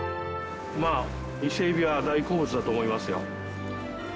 まあ伊勢エビは大好物だと思いますよ。